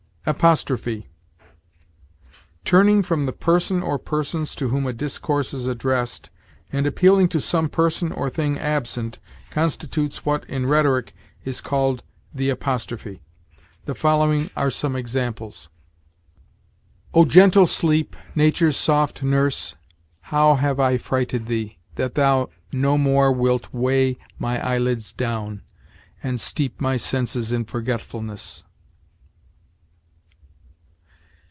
APOSTROPHE. Turning from the person or persons to whom a discourse is addressed and appealing to some person or thing absent, constitutes what, in rhetoric, is called the apostrophe. The following are some examples: "O gentle sleep, Nature's soft nurse, how have I frighted thee, That thou no more wilt weigh my eyelids down, And steep my senses in forgetfulness?"